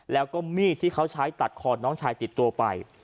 แล้วก็มีดที่เขาใช้ตัดคอน้องชายติดตัวไป